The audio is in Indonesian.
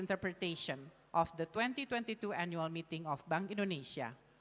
dari pembentukan tahun dua ribu dua puluh dua bank indonesia